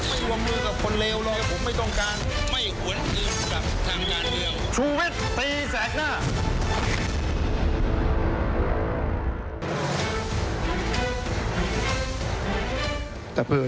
ชีวิตกระมวลวิสิทธิ์สุภาณีขวดชภัณฑ์สมบูรณ์